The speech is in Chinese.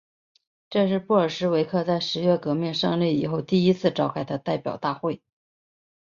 这是布尔什维克在十月革命胜利以后第一次召开的代表大会。